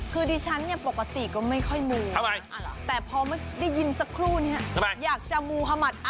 คือที่ฉันเนี่ยปกติก็ไม่ค่อยมู